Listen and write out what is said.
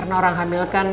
pernah orang hamil kan